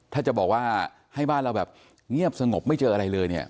ถ้าจะบอกว่าให้บ้านเราแบบเงียบสงบไม่เจออะไรเลยเนี่ย